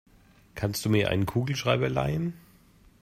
Kannst du mir einen Kugelschreiber leihen?